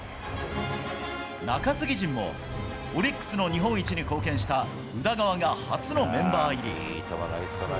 中継ぎ陣もオリックスの日本一に貢献した宇田川が初のメンバー入り。